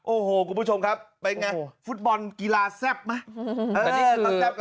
โอ้โหคุณผู้ชมครับเป็นไงฟุตบอลกีฬาแซ่บไหม